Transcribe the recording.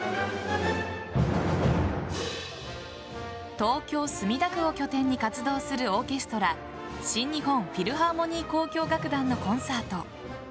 東京・墨田区を拠点に活動するオーケストラ新日本フィルハーモニー交響楽団のコンサート。